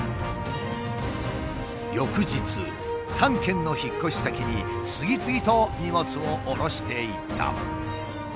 翌日３件の引っ越し先に次々と荷物を降ろしていった。